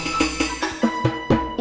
sama nini jangan stres